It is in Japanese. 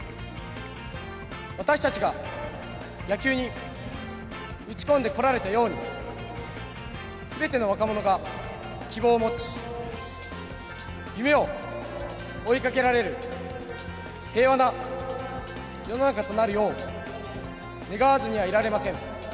私たちが野球に打ち込んでこられたように、すべての若者が希望を持ち、夢を追いかけられる平和な世の中となるよう、願わずにはいられません。